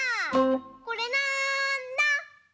これなんだ？